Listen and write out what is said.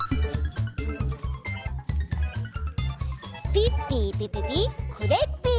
ピッピーピピピクレッピー！